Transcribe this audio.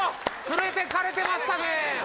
つれてかれてましたね